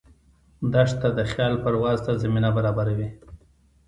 دښته د خیال پرواز ته زمینه برابروي.